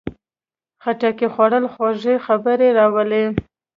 خټکی خوړل خوږې خبرې راولي.